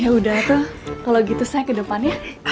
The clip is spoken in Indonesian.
ya udah tuh kalau gitu saya ke depan ya